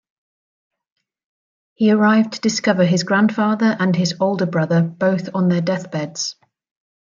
He arrived to discover his grandfather and his older brother both on their deathbeds.